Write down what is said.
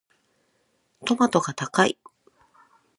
トマトが高い。